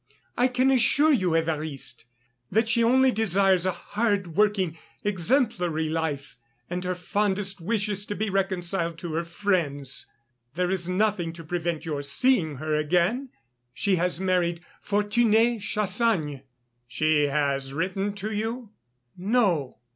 I can assure you, Évariste, that she only desires a hard working, exemplary life and her fondest wish is to be reconciled to her friends. There is nothing to prevent your seeing her again. She has married Fortuné Chassagne." "She has written to you?" "No."